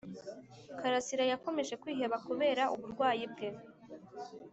Karasira yakomeje kwiheba kubera uburwayi bwe